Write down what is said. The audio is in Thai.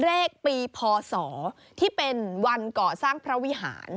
เลขปีพศที่เป็นวันก่อสร้างพระวิหาร